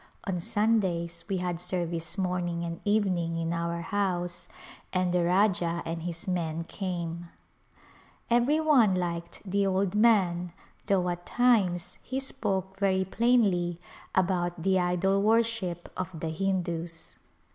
On Sundays we had service morning and evening in our A Glimpse of India house and the Rajah and his men came. Every one liked the old man though at times he spoke very plainly about the idol u^orship of the Hindus.